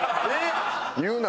言うな！